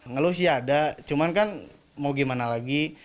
ngelus ya ada cuman kan mau gimana lagi